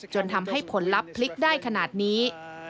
จนทำให้ผลลัพธ์พลิกได้ขนาดนี้